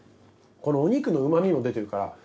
このお肉の旨みも出てるから。